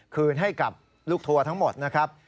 คืนให้กับลูกทัวร์ทั้งหมดนะครับ